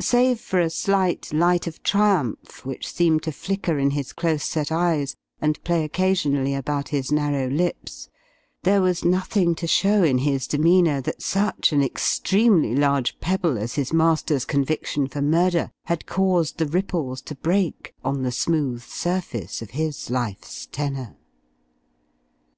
Save for a slight light of triumph which seemed to flicker in his close set eyes, and play occasionally about his narrow lips, there was nothing to show in his demeanour that such an extremely large pebble as his master's conviction for murder had caused the ripples to break on the smooth surface of his life's tenor.